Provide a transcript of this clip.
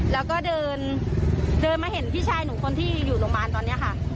แล้วก็เดินเดินมาเห็นพี่ชายหนูคนที่อยู่โรงพยาบาลตอนนี้ค่ะ